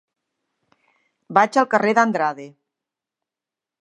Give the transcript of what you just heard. Vaig al carrer d'Andrade.